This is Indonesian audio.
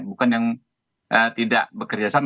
bukan yang tidak bekerja sama